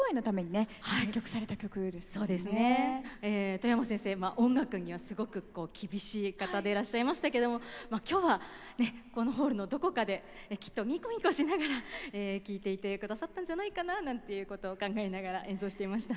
外山先生は音楽にはすごく厳しい方でいらっしゃいましたけども今日はこのホールのどこかできっとニコニコしながら聴いていてくださったんじゃないかななんていうことを考えながら演奏していました。